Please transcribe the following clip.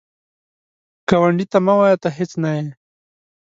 ګاونډي ته مه وایه “ته هیڅ نه یې”